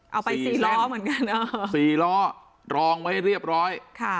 เอาไปสี่ล้อเหมือนกัน๔ล้อรองไว้เรียบร้อยค่ะ